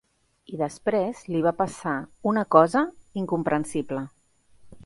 I després li va passar una cosa incomprensible.